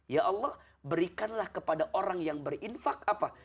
ya allah berikanlah kepada orang yang berinfak apa